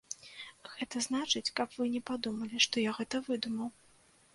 Гэта значыць, каб вы не падумалі, што я гэта выдумаў.